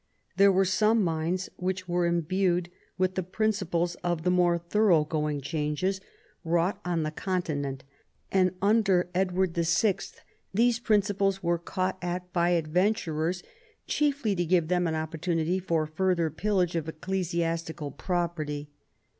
There were some minds which were imbued with the principles of the more thorough going changes wrought on the Con tinent ; and, under Edward VI., these principles were caught at by adventurers, chiefly to give them an opportunity for further pillage of ecclesiastical pro perty.